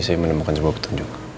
saya menemukan sebuah petunjuk